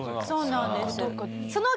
そうなんです。